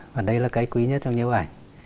và đây là cái quý nhất trong những bức ảnh